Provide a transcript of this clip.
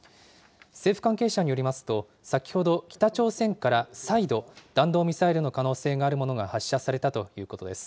政府関係者によりますと、先ほど、北朝鮮から再度、弾道ミサイルの可能性があるものが発射されたということです。